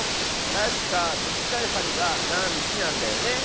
たしかみじかいはりが「なんじ」なんだよね。